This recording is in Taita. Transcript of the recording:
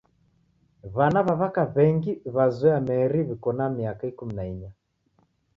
W'ana w'a w'aka w'engi w'azoya meri w'iko na miaka ikumi na inya.